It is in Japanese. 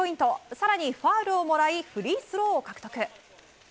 更に、ファウルをもらいフリースローを獲得。